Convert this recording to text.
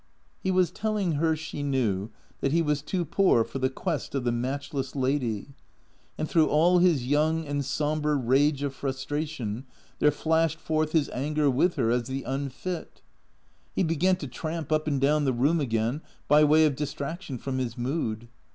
He was telling her, she knew, that he was too poor for the quest of the matchless lady; and through all his young and sombre rage of frustration there flashed forth his anger with her as the unfit. THECEEATORS 13 He began to tramp up and down the room again, by way of distraction from his mood.